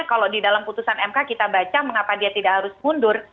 kalau di dalam putusan mk kita baca mengapa dia tidak harus mundur